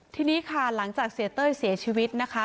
ทีนี้ค่ะหลังจากเสียเต้ยเสียชีวิตนะคะ